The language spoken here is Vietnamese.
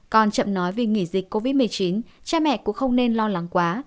con chậm nói vì nghỉ dịch covid một mươi chín cha mẹ cũng không nên lo lắng quá